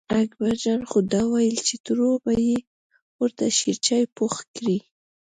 اکبر جان خو دا وېل چې ترور به یې ورته شېرچای پوخ کړي.